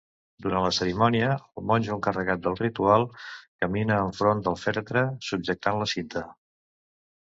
Durant la cerimònia, el monjo encarregat del ritual, camina enfront del fèretre subjectant la cinta.